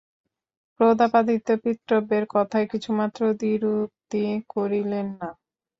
প্রতাপাদিত্য পিতৃব্যের কথায় কিছুমাত্র দ্বিরুক্তি করিলেন না।